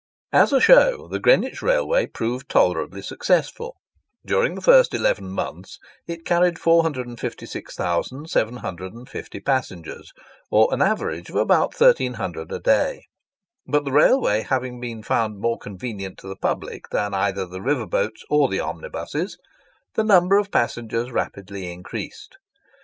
As a show, the Greenwich Railway proved tolerably successful. During the first eleven months it carried 456,750 passengers, or an average of about 1300 a day. But the railway having been found more convenient to the public than either the river boats or the omnibuses, the number of passengers rapidly increased.